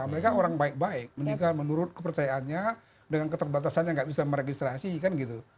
mereka orang baik baik menikah menurut kepercayaannya dengan keterbatasan yang nggak bisa meregistrasikan gitu